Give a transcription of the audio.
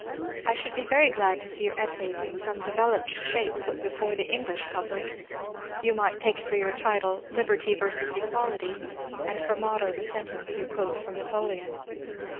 I should be very glad to see your essays in some developed shape put before the English public. ... You might take for your title " Liberty versus Equality," and for motto the sentence you quote from Napoleon.